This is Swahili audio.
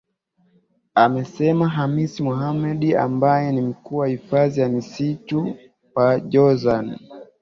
Alisema Khamis Mohamed ambae ni mkuu wa hifadhi ya msitu wa Jozani